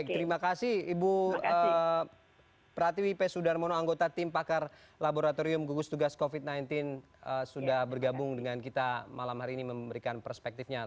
baik terima kasih ibu pratiwi p sudarmono anggota tim pakar laboratorium gugus tugas covid sembilan belas sudah bergabung dengan kita malam hari ini memberikan perspektifnya